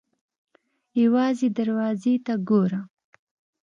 _ يوازې دروازې ته ګوره!